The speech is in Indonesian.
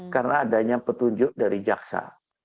karena adanya petunjuk dari jaksa